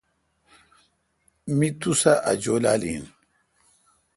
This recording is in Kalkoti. می تو سہ۔ اجولال این۔